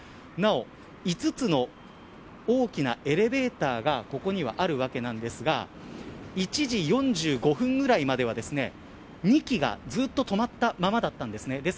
なお、５つの大きなエレベーターがここにはありますが１時４５分ぐらいまでは２基がずっと止まったままでした。